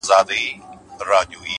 خپلواکي له مسؤلیت سره مل ده؛